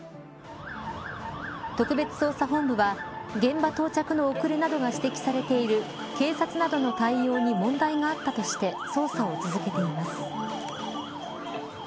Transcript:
特別捜査本部は現場到着の遅れが指摘されている警察などの対応に問題があったとして捜査を続けています。